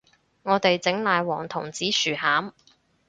我哋整奶黃同紫薯餡